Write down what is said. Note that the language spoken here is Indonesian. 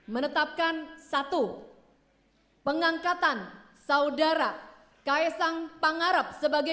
gendap akan satu pengangkatan saudara kaesang pangarep sebagai